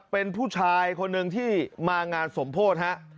เป็นผู้ชายคนหนึ่งที่มางานสมโพธิฮะ